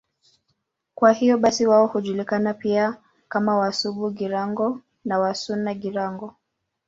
Kwa hiyo basi wao hujulikana pia kama Wasuba-Girango au Wasuna-Girango.